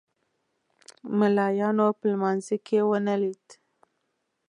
ملایانو په لمانځه کې ونه لید.